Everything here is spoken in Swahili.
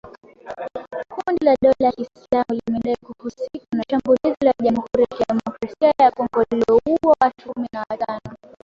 Kundi la Dola ya Kiislamu limedai kuhusika na shambulizi la Jamuhuri ya Kidemokrasia ya Kongo lililouwa watu kumi na watano